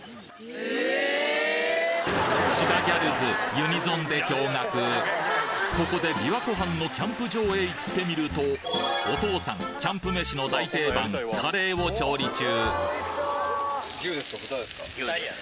ユニゾンでここで琵琶湖畔のキャンプ場へ行ってみるとお父さんキャンプ飯の大定番カレーを調理中